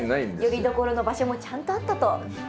よりどころの場所もちゃんとあったと。